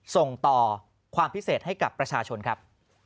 ส่งต่อความพิเศษให้กับประชาชนครับ